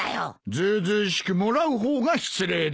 ずうずうしくもらう方が失礼だ！